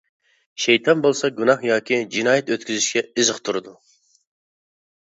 شەيتان بولسا گۇناھ ياكى جىنايەت ئۆتكۈزۈشكە ئېزىقتۇرىدۇ.